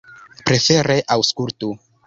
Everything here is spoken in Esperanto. Prefere aŭskultu!